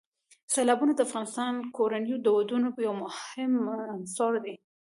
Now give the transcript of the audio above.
سیلابونه د افغان کورنیو د دودونو یو مهم عنصر دی.